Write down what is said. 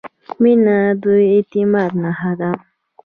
• مینه د اعتماد نښه ده.